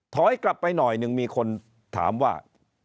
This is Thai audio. ถอยกลับไปหน่อยหนึ่งมีคนถามว่า